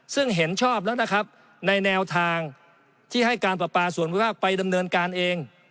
ซึ่งเห็นชอบแล้วนะครับในแนวทางที่ให้การประปาส่วนวิภาคไปดำเนินการเอง